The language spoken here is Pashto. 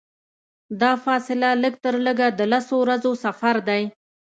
دا فاصله لږترلږه د لسو ورځو سفر دی.